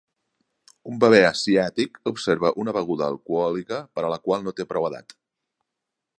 Un bebè asiàtic observa una beguda alcohòlica per a la qual no té prou edat.